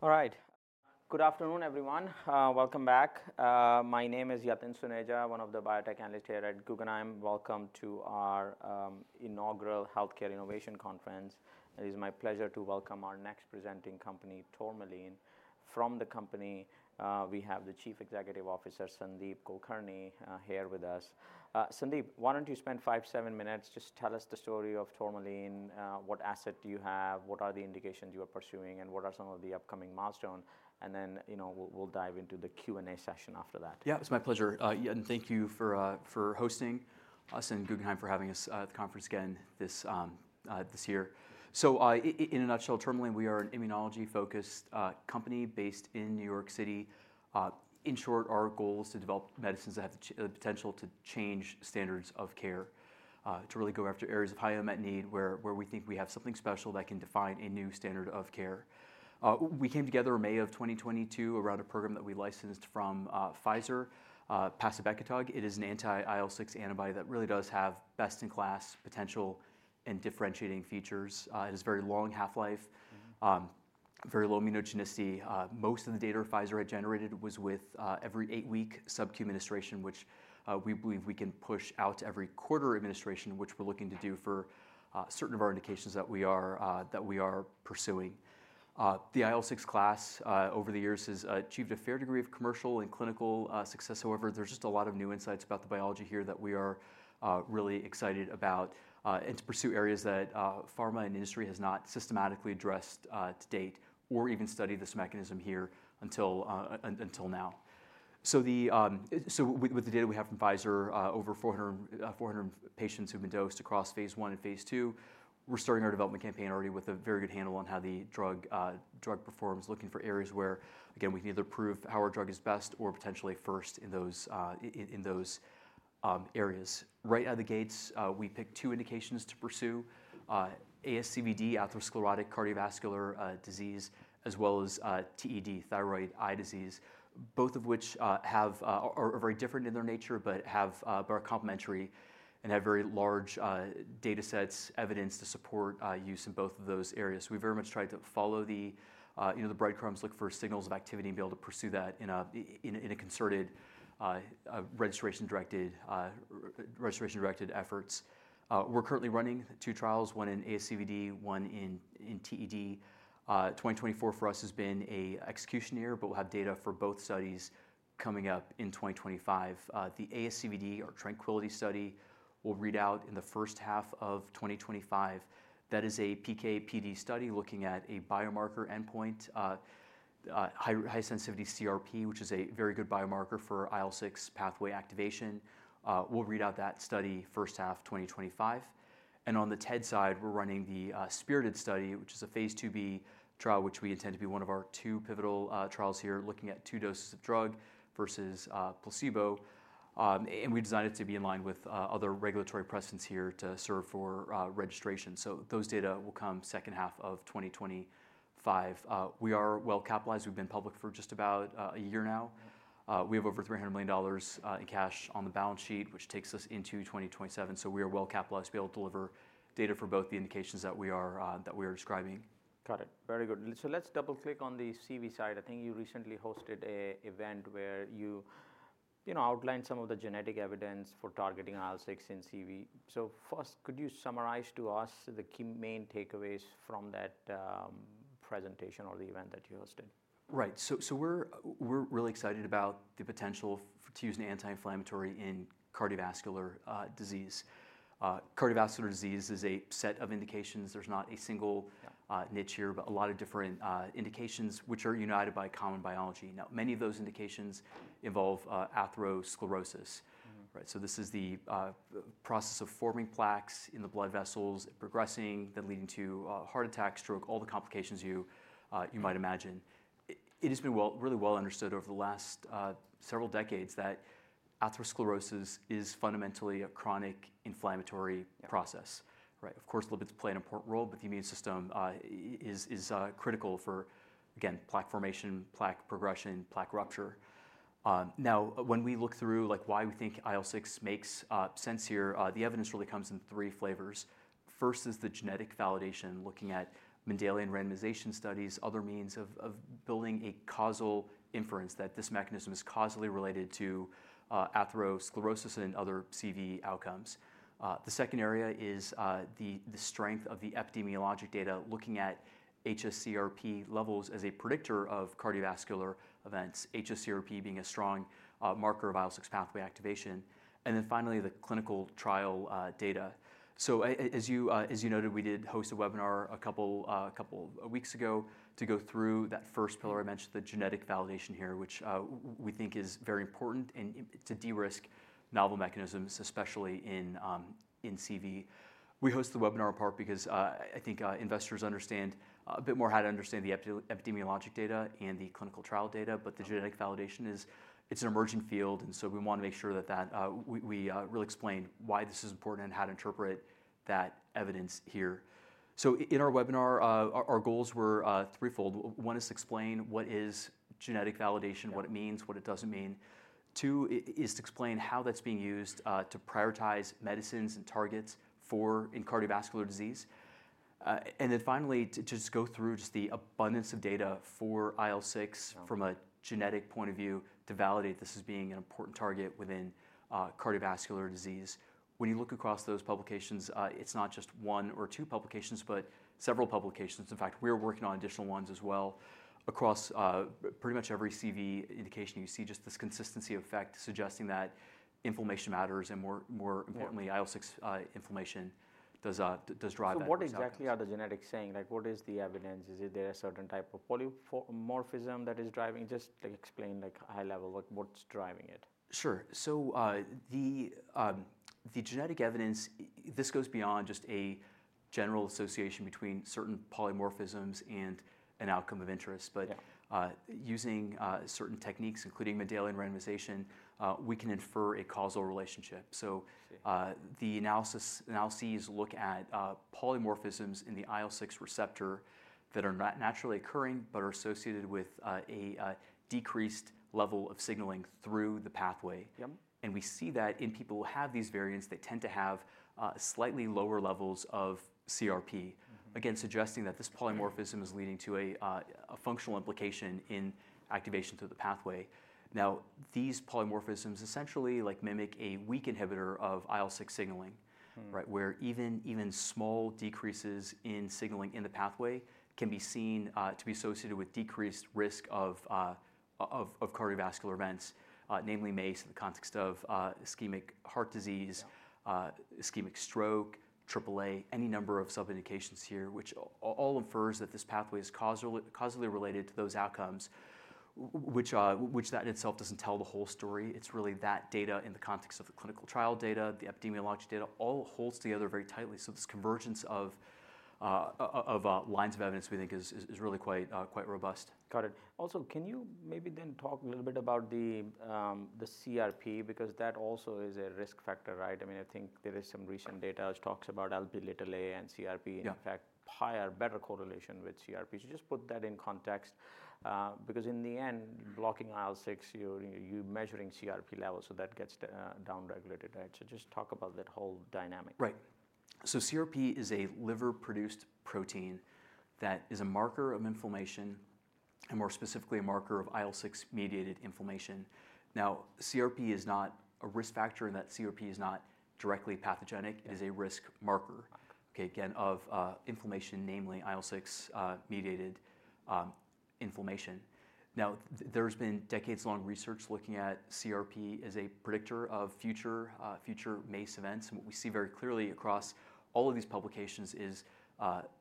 All right. Good afternoon, everyone. Welcome back. My name is Yatin Suneja, one of the biotech analysts here at Guggenheim. Welcome to our inaugural Healthcare Innovation Conference. It is my pleasure to welcome our next presenting company, Tourmaline. From the company, we have the Chief Executive Officer, Sandeep Kulkarni, here with us. Sandeep, why don't you spend five, seven minutes? Just tell us the story of Tourmaline. What asset do you have? What are the indications you are pursuing? And what are some of the upcoming milestones? And then, you know, we'll dive into the Q&A session after that. Yeah, it's my pleasure, and thank you for hosting us and Guggenheim for having us at the conference again this year. So, in a nutshell, Tourmaline, we are an immunology-focused company based in New York City. In short, our goal is to develop medicines that have the potential to change standards of care, to really go after areas of high unmet need where we think we have something special that can define a new standard of care. We came together in May of 2022 around a program that we licensed from Pfizer, pacibucutog. It is an anti-IL-6 antibody that really does have best-in-class potential and differentiating features. It has a very long half-life, very low immunogenicity. Most of the data Pfizer had generated was with every eight-week sub-Q administration, which we believe we can push out to every quarter administration, which we're looking to do for certain of our indications that we are pursuing. The IL-6 class over the years has achieved a fair degree of commercial and clinical success. However, there's just a lot of new insights about the biology here that we are really excited about, and to pursue areas that pharma and industry has not systematically addressed to date or even studied this mechanism here until now. With the data we have from Pfizer, over 400 patients who've been dosed across phase I and phase, we're starting our development campaign already with a very good handle on how the drug performs, looking for areas where, again, we can either prove how our drug is best or potentially first in those areas. Right out of the gates, we picked two indications to pursue, ASCVD, atherosclerotic cardiovascular disease, as well as TED, thyroid eye disease, both of which are very different in their nature, but are complementary and have very large data sets evidenced to support use in both of those areas. We very much try to follow the breadcrumbs, you know, look for signals of activity, and be able to pursue that in a concerted registration-directed efforts. We're currently running two trials, one in ASCVD, one in TED. 2024 for us has been an execution year, but we'll have data for both studies coming up in 2025. The ASCVD, or Tranquility study, we'll read out in the first half of 2025. That is a PK/PD study looking at a biomarker endpoint, high-sensitivity CRP, which is a very good biomarker for IL-6 pathway activation. We'll read out that study first half 2025, and on the TED side, we're running the SPIRITED study, which is a phase II B trial, which we intend to be one of our two pivotal trials here, looking at two doses of drug versus placebo, and we designed it to be in line with other regulatory precedents here to serve for registration, so those data will come second half of 2025. We are well-capitalized. We've been public for just about a year now. We have over $300 million in cash on the balance sheet, which takes us into 2027. We are well-capitalized to be able to deliver data for both the indications that we are, that we are describing. Got it. Very good. So let's double-click on the CV side. I think you recently hosted an event where you, you know, outlined some of the genetic evidence for targeting IL-6 in CV. So first, could you summarize to us the key main takeaways from that presentation or the event that you hosted? Right. So, we're really excited about the potential to use an anti-inflammatory in cardiovascular disease. Cardiovascular disease is a set of indications. There's not a single niche here, but a lot of different indications which are united by common biology. Now, many of those indications involve atherosclerosis. Mm-hmm. Right. So this is the process of forming plaques in the blood vessels, progressing, then leading to heart attack, stroke, all the complications you might imagine. It has been well, really well understood over the last several decades that atherosclerosis is fundamentally a chronic inflammatory process. Yes. Right. Of course, lipids play an important role, but the immune system is critical for again, plaque formation, plaque progression, plaque rupture. Now, when we look through like why we think IL-6 makes sense here, the evidence really comes in three flavors. First is the genetic validation, looking at Mendelian randomization studies, other means of building a causal inference that this mechanism is causally related to atherosclerosis and other CV outcomes. The second area is the strength of the epidemiologic data, looking at hsCRP levels as a predictor of cardiovascular events, hsCRP being a strong marker of IL-6 pathway activation. And then finally, the clinical trial data. So as you noted, we did host a webinar a couple of weeks ago to go through that first pillar. I mentioned the genetic validation here, which we think is very important and to de-risk novel mechanisms, especially in CV. We host the webinar in part because I think investors understand a bit more how to understand the epidemiologic data and the clinical trial data. But the genetic validation is, it's an emerging field. And so we want to make sure that we really explain why this is important and how to interpret that evidence here. So in our webinar, our goals were threefold. One is to explain what is genetic validation, what it means, what it doesn't mean. Two is to explain how that's being used to prioritize medicines and targets for in cardiovascular disease, and then finally, to just go through the abundance of data for IL-6. Yeah. From a genetic point of view to validate this as being an important target within cardiovascular disease. When you look across those publications, it's not just one or two publications, but several publications. In fact, we are working on additional ones as well across pretty much every CV indication. You see just this consistency effect suggesting that inflammation matters. And more importantly, IL-6 inflammation does drive that. So what exactly are the genetics saying? Like, what is the evidence? Is there a certain type of polymorphism that is driving? Just, like, explain, like, high level, like, what's driving it? Sure. So, the genetic evidence, this goes beyond just a general association between certain polymorphisms and an outcome of interest. But. Yeah. Using certain techniques, including Mendelian randomization, we can infer a causal relationship. So. I see. The analyses look at polymorphisms in the IL-6 receptor that are not naturally occurring but are associated with a decreased level of signaling through the pathway. Yep. We see that in people who have these variants, they tend to have slightly lower levels of CRP. Mm-hmm. Again, suggesting that this polymorphism is leading to a functional implication in activation through the pathway. Now, these polymorphisms essentially, like, mimic a weak inhibitor of IL-6 signaling. Mm-hmm. Right, where even small decreases in signaling in the pathway can be seen to be associated with decreased risk of cardiovascular events, namely MACE in the context of ischemic heart disease. Yeah. Ischemic stroke, AAA, any number of sub-indications here, which all infers that this pathway is causally related to those outcomes, which that in itself doesn't tell the whole story. It's really that data in the context of the clinical trial data, the epidemiologic data all holds together very tightly. So this convergence of lines of evidence we think is really quite robust. Got it. Also, can you maybe then talk a little bit about the CRP? Because that also is a risk factor, right? I mean, I think there is some recent data that talks about alpha-little A and CRP. Yeah. In fact, higher, better correlation with CRP. So just put that in context, because in the end, blocking IL-6, you're measuring CRP levels. So that gets downregulated, right? So just talk about that whole dynamic. Right. So CRP is a liver-produced protein that is a marker of inflammation and more specifically a marker of IL-6-mediated inflammation. Now, CRP is not a risk factor in that CRP is not directly pathogenic. Mm-hmm. It is a risk marker, okay, again, of inflammation, namely IL-6-mediated inflammation. Now, there's been decades-long research looking at CRP as a predictor of future MACE events. And what we see very clearly across all of these publications is,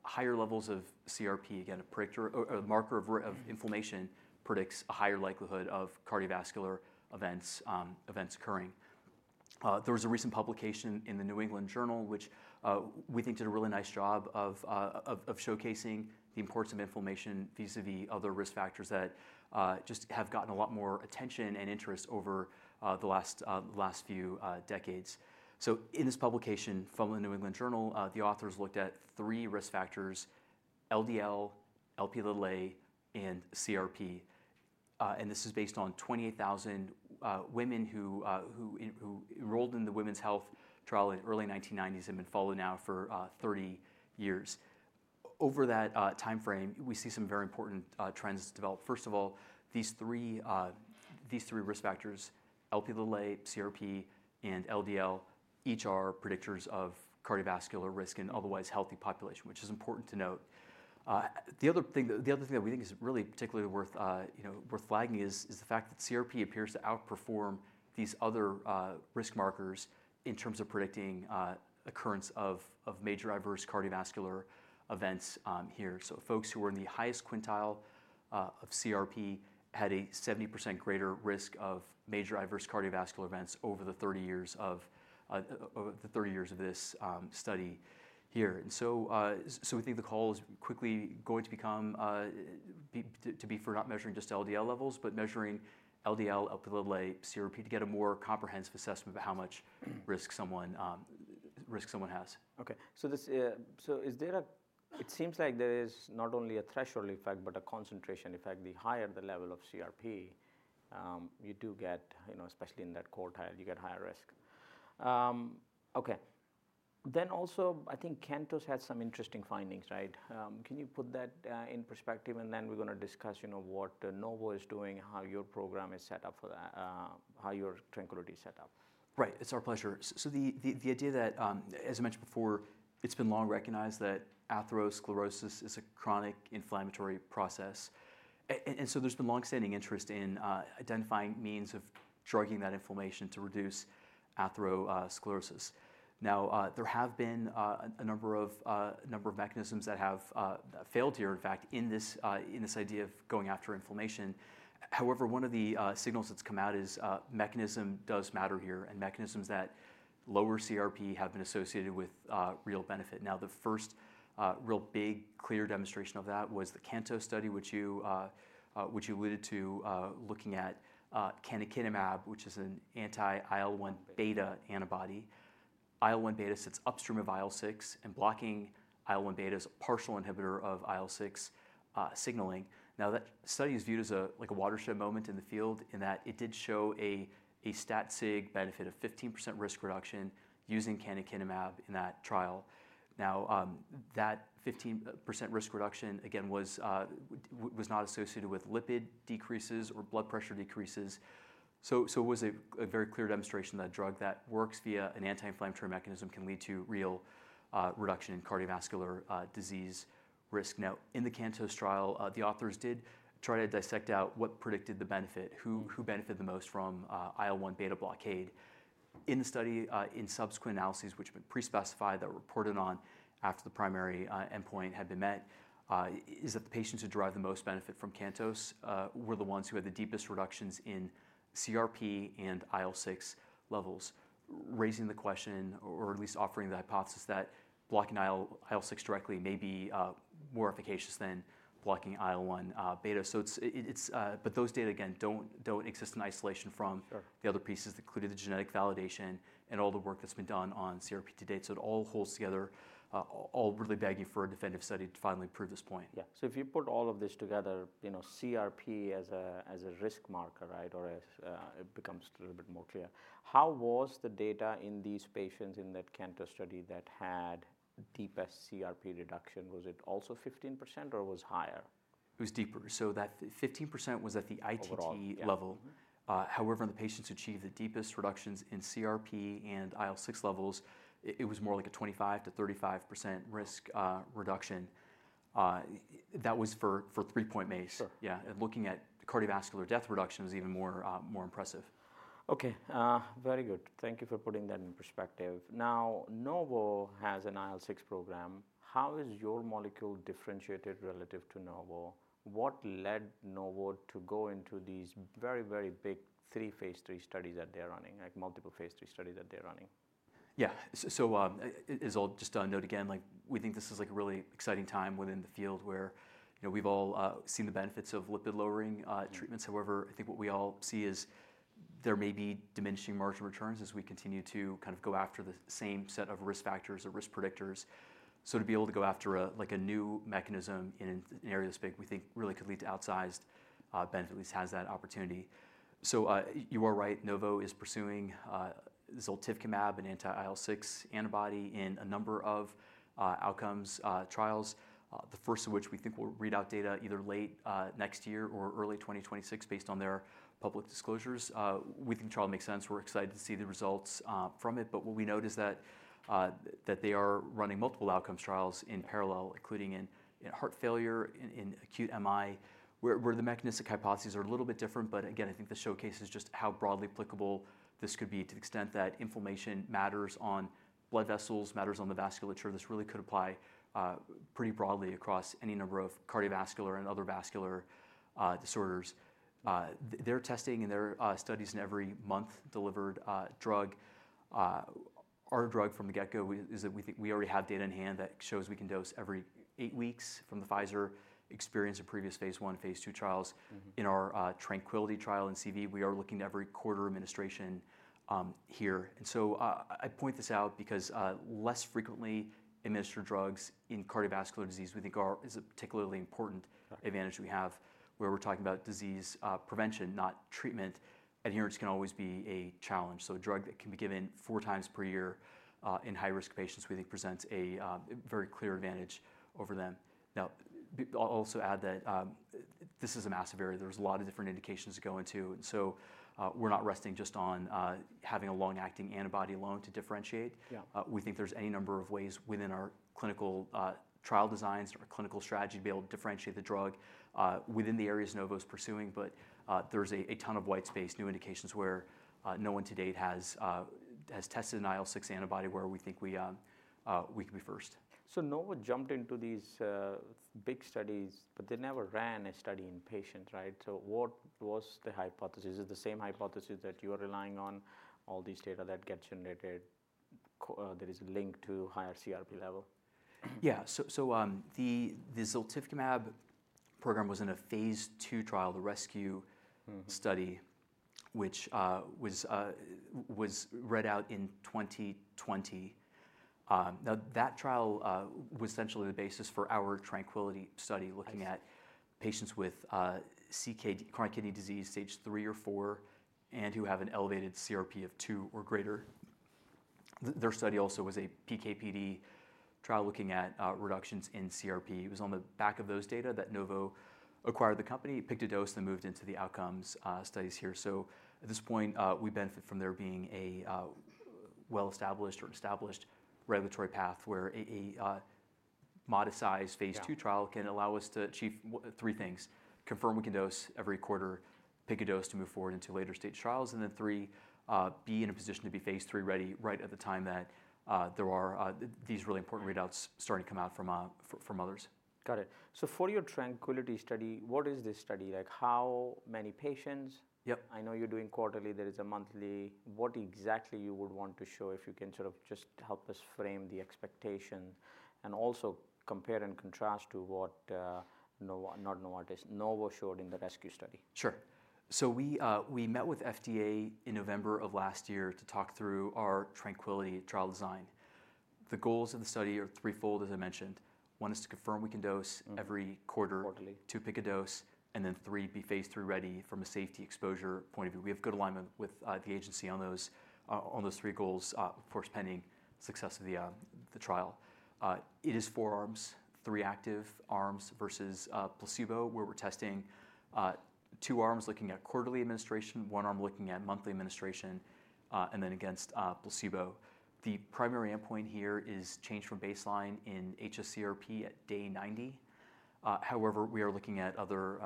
higher levels of CRP, again, a predictor or a marker of inflammation predicts a higher likelihood of cardiovascular events occurring. There was a recent publication in the New England Journal, which we think did a really nice job of showcasing the importance of inflammation vis-à-vis other risk factors that just have gotten a lot more attention and interest over the last few decades. So in this publication from the New England Journal, the authors looked at three risk factors: LDL, Lp(a), and CRP. This is based on 28,000 women who enrolled in the Women's Health Trial in early 1990s and have been followed now for 30 years. Over that timeframe, we see some very important trends develop. First of all, these three risk factors, Lp(a), CRP, and LDL, each are predictors of cardiovascular risk in otherwise healthy population, which is important to note. The other thing that we think is really particularly worth you know worth flagging is the fact that CRP appears to outperform these other risk markers in terms of predicting occurrence of major adverse cardiovascular events here. So folks who are in the highest quintile of CRP had a 70% greater risk of major adverse cardiovascular events over the 30 years of this study here. We think the call is quickly going to become to be for not measuring just LDL levels, but measuring LDL, Lp(a), CRP to get a more comprehensive assessment of how much risk someone has. Okay. So this, so is there a, it seems like there is not only a threshold effect but a concentration effect. The higher the level of CRP, you do get, you know, especially in that CANTOS trial, you get higher risk. Okay. Then also, I think CANTOS had some interesting findings, right? Can you put that in perspective? And then we're going to discuss, you know, what Novo is doing, how your program is set up for that, how your Tranquility is set up. Right. It's our pleasure. So the idea that, as I mentioned before, it's been long recognized that atherosclerosis is a chronic inflammatory process. There's been longstanding interest in identifying means of drugging that inflammation to reduce atherosclerosis. Now, there have been a number of mechanisms that have failed here, in fact, in this idea of going after inflammation. However, one of the signals that's come out is mechanism does matter here, and mechanisms that lower CRP have been associated with real benefit. Now, the first real big clear demonstration of that was the CANTOS study, which you alluded to, looking at canakinumab, which is an anti-IL-1 beta antibody. IL-1 beta sits upstream of IL-6 and blocking IL-1 beta is a partial inhibitor of IL-6 signaling. Now, that study is viewed as a, like a watershed moment in the field in that it did show a stat-sig benefit of 15% risk reduction using canakinumab in that trial. Now, that 15% risk reduction, again, was not associated with lipid decreases or blood pressure decreases. So, it was a very clear demonstration that a drug that works via an anti-inflammatory mechanism can lead to real reduction in cardiovascular disease risk. Now, in the CANTOS trial, the authors did try to dissect out what predicted the benefit, who benefited the most from IL-1 beta blockade. In the study, in subsequent analyses, which have been pre-specified that were reported on after the primary endpoint had been met, is that the patients who derived the most benefit from CANTOS were the ones who had the deepest reductions in CRP and IL-6 levels, raising the question or at least offering the hypothesis that blocking IL-6 directly may be more efficacious than blocking IL-1 beta. So it's but those data, again, don't exist in isolation from. Sure. The other pieces that included the genetic validation and all the work that's been done on CRP to date, so it all holds together, all really begging for a definitive study to finally prove this point. Yeah. So if you put all of this together, you know, CRP as a, as a risk marker, right, or as, it becomes a little bit more clear. How was the data in these patients in that CANTOS study that had deepest CRP reduction? Was it also 15% or was higher? It was deeper, so that 15% was at the ITT level. Overall. However, in the patients who achieved the deepest reductions in CRP and IL-6 levels, it was more like a 25%-35% risk reduction. That was for three-point MACE. Sure. Yeah. And looking at cardiovascular death reduction was even more impressive. Okay. Very good. Thank you for putting that in perspective. Now, Novo has an IL-6 program. How is your molecule differentiated relative to Novo? What led Novo to go into these very, very big phase three studies that they're running, like multiple phase three studies that they're running? Yeah. So, as I'll just note again, like, we think this is like a really exciting time within the field where, you know, we've all seen the benefits of lipid-lowering treatments. However, I think what we all see is there may be diminishing marginal returns as we continue to kind of go after the same set of risk factors or risk predictors. So to be able to go after a like a new mechanism in an area this big, we think really could lead to outsized benefits, at least has that opportunity. So, you are right. Novo is pursuing ziltivekimab, an anti-IL-6 antibody in a number of outcome trials, the first of which we think will read out data either late next year or early 2026 based on their public disclosures. We think the trial makes sense. We're excited to see the results from it. But what we note is that they are running multiple outcomes trials in parallel, including in heart failure, in acute MI, where the mechanistic hypotheses are a little bit different. But again, I think this showcases just how broadly applicable this could be to the extent that inflammation matters on blood vessels, matters on the vasculature. This really could apply pretty broadly across any number of cardiovascular and other vascular disorders. Their testing and their studies in every month delivered drug, our drug from the get-go is that we think we already have data in hand that shows we can dose every eight weeks from the Pfizer experience of previous phase one, phase II trials. Mm-hmm. In our Tranquility trial in CV, we are looking to every quarter administration here, and so I point this out because less frequently administered drugs in cardiovascular disease, we think, are a particularly important. Right. Advantage we have where we're talking about disease prevention, not treatment. Adherence can always be a challenge, so a drug that can be given four times per year in high-risk patients, we think, presents a very clear advantage over them. Now, I'll also add that this is a massive area. There's a lot of different indications to go into, and so we're not resting just on having a long-acting antibody alone to differentiate. Yeah. We think there's any number of ways within our clinical trial designs, our clinical strategy to be able to differentiate the drug within the areas Novo's pursuing. But there's a ton of white space, new indications where no one to date has tested an IL-6 antibody where we think we could be first. So Novo jumped into these big studies, but they never ran a study in patients, right? So what was the hypothesis? Is it the same hypothesis that you are relying on all these data that gets generated? There is a link to higher CRP level? Yeah. The ziltivekimab program was in a phase two trial, the RESCUE. Mm-hmm. Study, which was read out in 2020. Now that trial was essentially the basis for our Tranquility study looking at. Right. Patients with CKD, chronic kidney disease stage three or four and who have an elevated CRP of two or greater. Their study also was a PK/PD trial looking at reductions in CRP. It was on the back of those data that Novo acquired the company, picked a dose, and then moved into the outcomes studies here. So at this point, we benefit from there being a well-established or established regulatory path where a modest size phase two trial can allow us to achieve three things: confirm we can dose every quarter, pick a dose to move forward into later stage trials, and then three, be in a position to be phase three ready right at the time that there are these really important readouts starting to come out from others. Got it. So for your Tranquility study, what is this study? Like how many patients? Yep. I know you're doing quarterly. There is a monthly. What exactly you would want to show if you can sort of just help us frame the expectation and also compare and contrast to what, Novo, not Novartis, Novo showed in the RESCUE study? Sure, so we met with FDA in November of last year to talk through our Tranquility trial design. The goals of the study are threefold, as I mentioned. One is to confirm we can dose every quarter. Quarterly. To pick a dose. And then three, be phase III ready from a safety exposure point of view. We have good alignment with the agency on those three goals, of course, pending success of the trial. It is four arms, three active arms versus placebo where we're testing two arms looking at quarterly administration, one arm looking at monthly administration, and then against placebo. The primary endpoint here is change from baseline in hsCRP at day 90. However, we are looking at other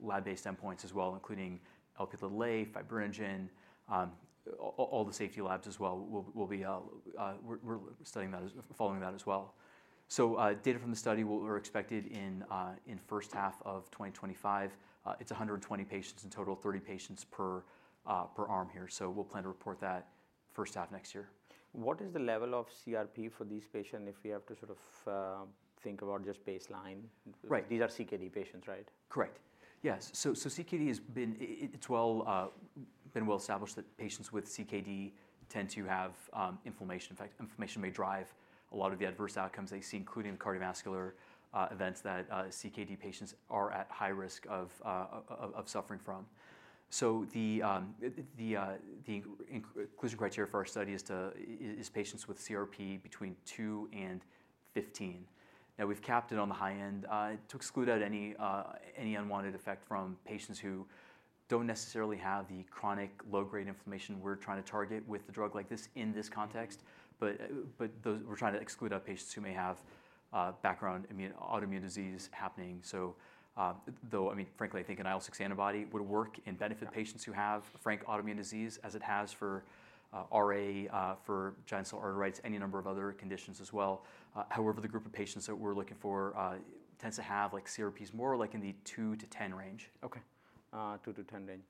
lab-based endpoints as well, including Lp(a), fibrinogen, all the safety labs as well. We'll be studying that, following that as well. So, data from the study were expected in the first half of 2025. It's 120 patients in total, 30 patients per arm here. So we'll plan to report that first half next year. What is the level of CRP for these patients if we have to sort of think about just baseline? Right. These are CKD patients, right? Correct. Yes. So CKD has been well established that patients with CKD tend to have inflammation. In fact, inflammation may drive a lot of the adverse outcomes they see, including the cardiovascular events that CKD patients are at high risk of suffering from. The inclusion criteria for our study is patients with CRP between two and 15. Now we've capped it on the high end to exclude out any unwanted effect from patients who don't necessarily have the chronic low-grade inflammation we're trying to target with the drug like this in this context. But those we're trying to exclude out patients who may have background immune autoimmune disease happening. So, though, I mean, frankly, I think an IL-6 antibody would work and benefit patients who have frank autoimmune disease as it has for RA, for giant cell arteritis, any number of other conditions as well. However, the group of patients that we're looking for tends to have like CRPs more like in the two to 10 range. Okay. Two to 10 range.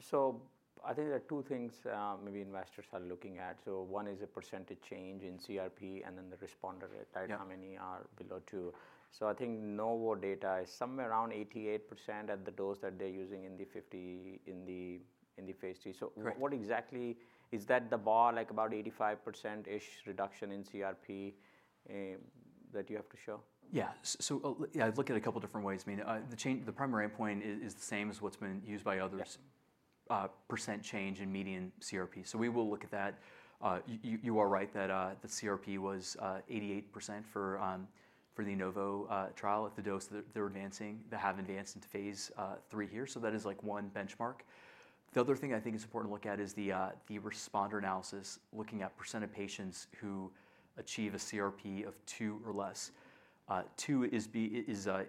So I think there are two things, maybe investors are looking at. So one is a percentage change in CRP and then the responder rate, right? Yeah. How many are below two? So I think Novo data is somewhere around 88% at the dose that they're using in the 50, in the phase III. Right. So what exactly is the bar, like about 85%-ish reduction in CRP, that you have to show? Yeah. So, I look at it a couple different ways. I mean, the change, the primary endpoint is the same as what's been used by others. Right. Percent change in median CRP. So we will look at that. You are right that the CRP was 88% for the Novo trial at the dose that they're advancing, that have advanced into phase three here. So that is like one benchmark. The other thing I think is important to look at is the responder analysis looking at percent of patients who achieve a CRP of two or less. Two is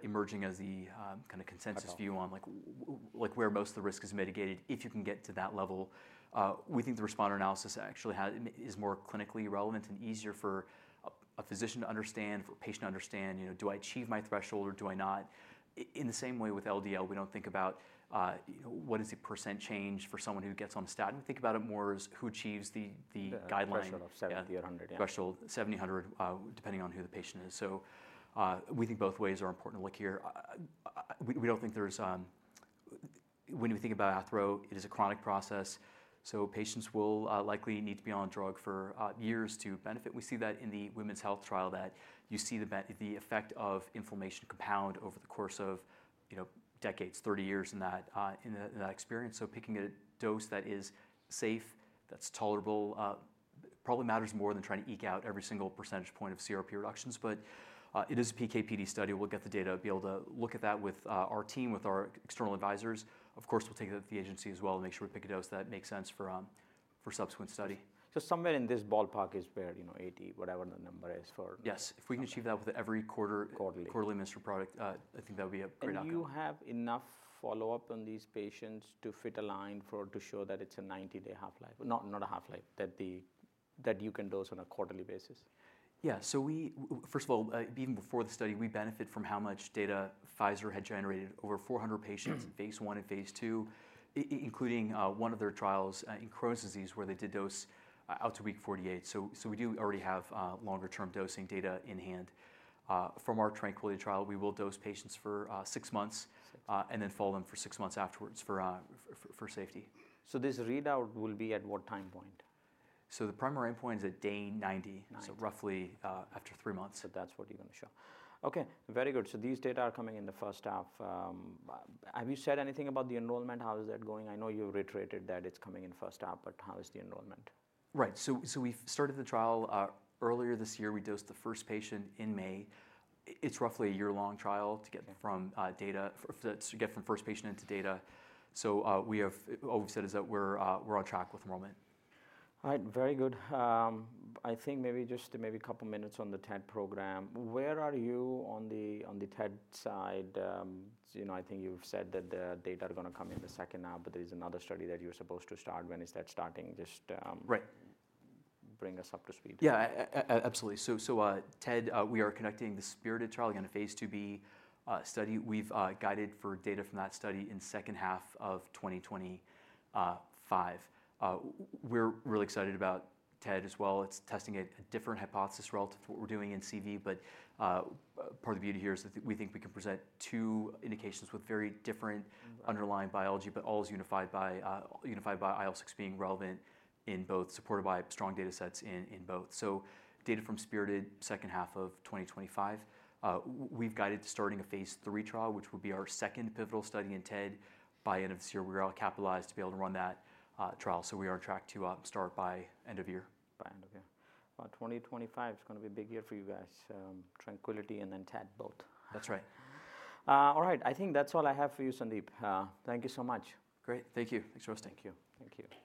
emerging as the kind of consensus view on like where most of the risk is mitigated if you can get to that level. We think the responder analysis actually is more clinically relevant and easier for a physician to understand, for patient to understand, you know, do I achieve my threshold or do I not? In the same way with LDL, we don't think about, you know, what is the percent change for someone who gets on a statin. We think about it more as who achieves the guideline. Threshold of 70 or 100, yeah. Threshold 70, 100, depending on who the patient is. So we think both ways are important to look here. We don't think, when we think about athero, it is a chronic process. So patients will likely need to be on a drug for years to benefit. We see that in the Women's Health Trial that you see the effect of inflammation compounds over the course of, you know, decades, 30 years in that experience. So picking a dose that is safe, that's tolerable, probably matters more than trying to eke out every single percentage point of CRP reductions. But it is a PK/PD study. We'll get the data, be able to look at that with our team, with our external advisors. Of course, we'll take that to the agency as well and make sure we pick a dose that makes sense for subsequent study. So somewhere in this ballpark is where, you know, 80, whatever the number is for. Yes. If we can achieve that with every quarter. Quarterly. Quarterly administered product, I think that would be a great outcome. You have enough follow-up on these patients to fit a line for to show that it's a 90-day half-life? Not, not a half-life, that you can dose on a quarterly basis. Yeah, so we, first of all, even before the study, we benefit from how much data Pfizer had generated over 400 patients. Mm-hmm. In phase I and phase II, including one of their trials in Crohn's disease where they did dose out to week 48, so we do already have longer-term dosing data in hand. From our Tranquility trial, we will dose patients for six months. Six. and then follow them for six months afterwards for safety. This readout will be at what time point? The primary endpoint is at day 90. 90. So roughly, after three months. So that's what you're gonna show. Okay. Very good. So these data are coming in the first half. Have you said anything about the enrollment? How is that going? I know you reiterated that it's coming in first half, but how is the enrollment? Right. So we've started the trial earlier this year. We dosed the first patient in May. It's roughly a year-long trial to get from first patient in to data. So, all we've said is that we're on track with enrollment. All right. Very good. I think maybe just maybe a couple minutes on the TED program. Where are you on the, on the TED side? You know, I think you've said that the data are gonna come in the second half, but there is another study that you're supposed to start. When is that starting? Just, Right. Bring us up to speed. Yeah. Absolutely. So, TED, we are conducting the Spirited trial again, a phase II B study. We've guided for data from that study in second half of 2025. We're really excited about TED as well. It's testing a different hypothesis relative to what we're doing in CV, but part of the beauty here is that we think we can present two indications with very different underlying biology, but all is unified by IL-6 being relevant in both, supported by strong data sets in both. So data from Spirited, second half of 2025. We've guided to starting a phase III trial, which will be our second pivotal study in TED by end of this year. We are all capitalized to be able to run that trial. So we are on track to start by end of year. By end of year. 2025 is gonna be a big year for you guys. Tranquility and then TED both. That's right. All right. I think that's all I have for you, Sandeep. Thank you so much. Great. Thank you. Thanks for hosting. Thank you. Thank you.